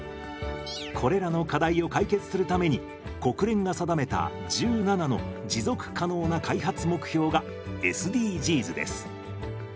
これらの課題を解決するために国連が定めた１７の持続可能な開発目標がＳＤＧｓです。